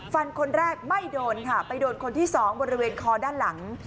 คนแรกไม่โดนค่ะไปโดนคนที่สองบริเวณคอด้านหลัง